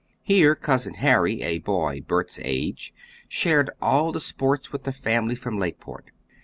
Here Cousin Harry, a boy Bert's age, shared all the sports with the family from Lakeport.